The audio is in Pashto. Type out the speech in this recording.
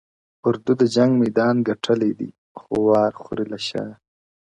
اردو د جنگ میدان گټلی دی!! خو وار خوري له شا!!